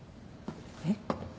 えっ？